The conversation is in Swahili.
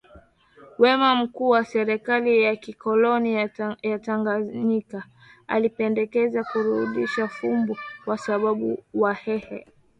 wema Mkuu wa serikali ya kikoloni ya Tanganyika alipendekeza kurudisha fuvu kwa sababu Wahehe